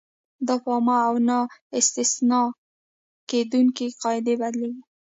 دا په عامې او نه استثنا کېدونکې قاعدې بدلیږي.